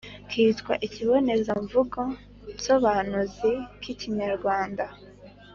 kitwa Ikibonezamvugo Nsobanuzi k’Ikinyarwanda